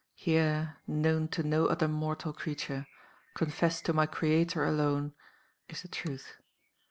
Here known to no other mortal creature, confessed to my Creator alone is the truth.